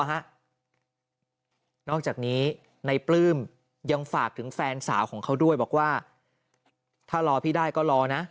นอกจากนี้ในปลื้มยังฝากถึงแฟนสาวของเขาด้วยบอกว่าถ้ารอพี่ได้ก็รอนะ